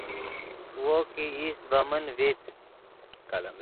وو کہ ایست ڤے من ڤیت